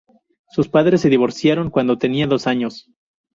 Sus padres se divorciaron cuando tenía dos años.